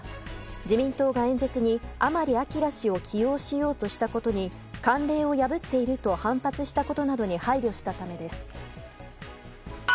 自民党が演説に甘利明氏を起用しようとしたことに慣例を破っていると反発したことなどに配慮したためです。